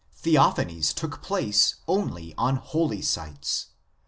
Theophanies took place only on holy sites.